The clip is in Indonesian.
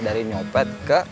dari nyopet ke